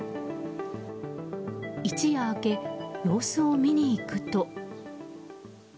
一夜明け、様子を見に行くと。